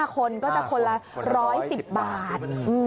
๕คนก็จะคนละ๑๑๐บาท